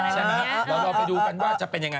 ใช่ไหมเราลอไปดูกันว่าจะเป็นยังไง